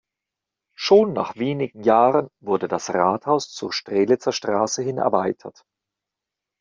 Schon nach wenigen Jahren wurde das Rathaus zur Strelitzer Straße hin erweitert.